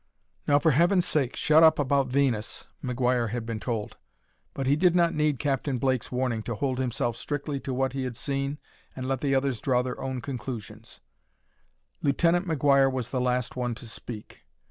"Now, for heaven's sake, shut up about Venus," McGuire had been told. But he did not need Captain Blake's warning to hold himself strictly to what he had seen and let the others draw their own conclusions. Lieutenant McGuire was the last one to speak.